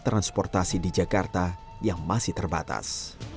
transportasi di jakarta yang masih terbatas